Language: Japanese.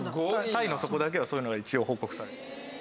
タイのそこだけはそういうのが一応報告されて。